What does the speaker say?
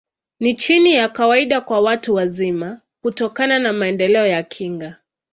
Ni chini ya kawaida kwa watu wazima, kutokana na maendeleo ya kinga.